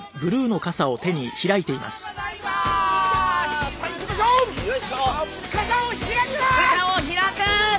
傘を開く。